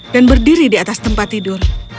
berdiri di atas tempat tidur